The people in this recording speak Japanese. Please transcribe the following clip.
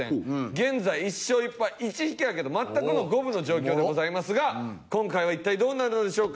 現在１勝１敗１引き分けと全くの五分の状況でございますが今回は一体どうなるのでしょうか？